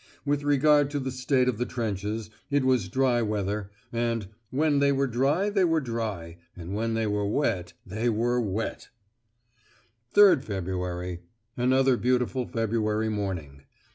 With regard to the state of the trenches, it was dry weather, and "when they were dry they were dry, and when they were wet they were wet!" "3rd Feb. Another beautiful February morning.